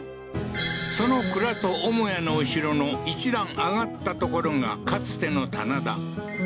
その蔵と母屋の後ろの１段上がった所がかつての棚田